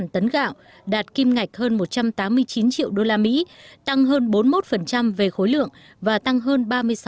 ba trăm ba mươi tám tấn gạo đạt kim ngạch hơn một trăm tám mươi chín triệu usd tăng hơn bốn mươi một về khối lượng và tăng hơn ba mươi sáu